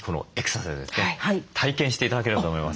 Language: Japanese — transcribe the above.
体験して頂ければと思います。